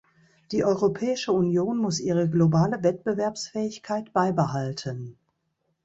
Die Europäische Union muss ihre globale Wettbewerbsfähigkeit beibehalten.